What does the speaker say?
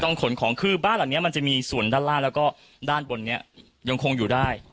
ขนของคือบ้านหลังนี้มันจะมีส่วนด้านล่างแล้วก็ด้านบนนี้ยังคงอยู่ได้